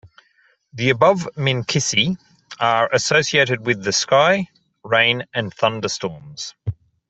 The above minkisi are associated with the sky, rain, and thunderstorms.